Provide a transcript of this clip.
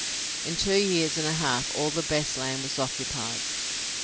In two years and a half all the best land was occupied.